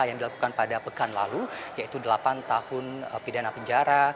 yang dilakukan pada pekan lalu yaitu delapan tahun pidana penjara